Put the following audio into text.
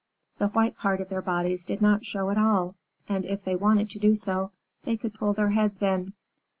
The white part of their bodies did not show at all, and, if they wanted to do so, they could pull their heads in.